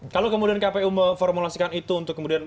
kalau kemudian kpu memformulasikan itu untuk kemudian